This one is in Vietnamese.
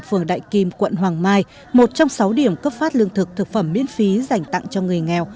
phường đại kim quận hoàng mai một trong sáu điểm cấp phát lương thực thực phẩm miễn phí dành tặng cho người nghèo